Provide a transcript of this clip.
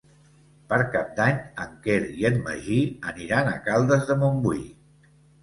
Per Cap d'Any en Quer i en Magí aniran a Caldes de Montbui.